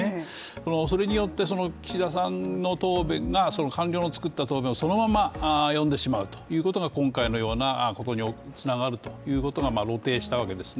それによって岸田さんの答弁が官僚の作った答弁をそのまま読んでしまうということが今回のようなことにつながるということが露呈したわけですね。